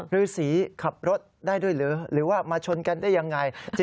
ฤษีขับรถได้ด้วยหรือหรือว่ามาชนกันได้ยังไง